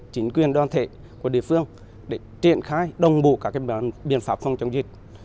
chính quyền đoàn thể của địa phương để triển khai đồng bộ các biện pháp phòng chống dịch